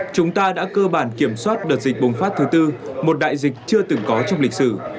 chúng ta đã cơ bản kiểm soát đợt dịch bùng phát thứ tư một đại dịch chưa từng có trong lịch sử